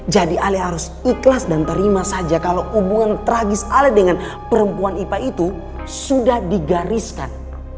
jadi ale harus ikhlas dan terima saja kalau hubungan tragis ale dengan perempuan ipa itu sudah digariskan